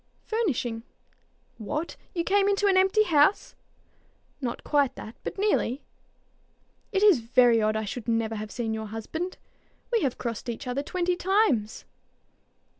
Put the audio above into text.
"Furnishing." "What! you came into an empty house?" "Not quite that, but nearly." "It is very odd I should never have seen your husband. We have crossed each other twenty times."